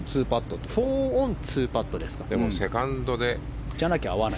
４オン２パットですね。